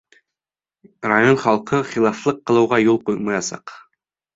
Район халҡы хилафлыҡ ҡылыуға юл ҡуймаясаҡ.